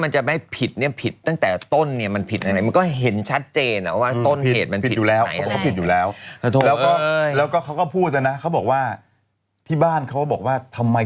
จานละคราศพูดมานุบวันเซ็ตน่ะ